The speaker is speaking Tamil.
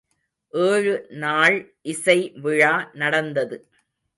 ஏழுநாள் இசை விழா நடந்தது.